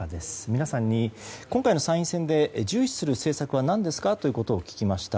皆さんに今回の参院選で重視する政策は何ですかと聞きました。